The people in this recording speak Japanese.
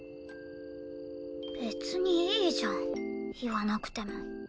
別にいいじゃん言わなくても。